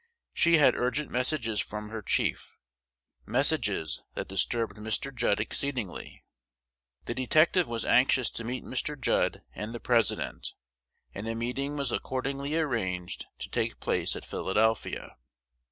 She had urgent messages from her chief, messages that disturbed Mr. Judd exceedingly. The detective was anxious to meet Mr. Judd and the President; and a meeting was accordingly arranged to take place at Philadelphia.